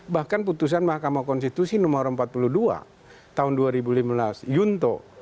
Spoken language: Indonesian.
bahkan putusan mahkamah konstitusi nomor empat puluh dua tahun dua ribu lima belas yunto